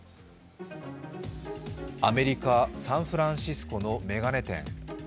アメリカ・サンフランシスコの眼鏡店。